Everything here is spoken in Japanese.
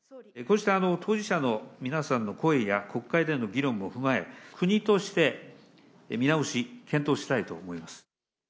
こうした当事者の皆さんの声や国会での議論も踏まえ、国として、見直し、検討したいと思います。